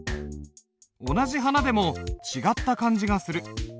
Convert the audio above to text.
同じ「花」でも違った感じがする。